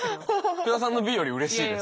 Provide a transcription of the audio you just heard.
福田さんのＢよりうれしいです。